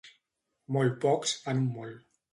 Molt pocs fan un molt.